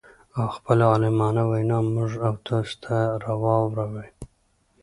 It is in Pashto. او خپله عالمانه وينا موږ او تاسو ته را واور وي.